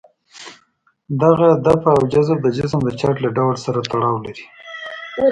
دغه دفع او جذب د جسم د چارج له ډول سره تړاو لري.